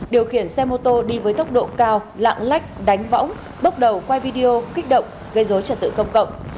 điều khiển xe mô tô đi với tốc độ cao lạng lách đánh võng bốc đầu quay video kích động gây dối trật tự công cộng